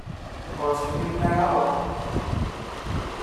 Ur ttxemmimen ara akk!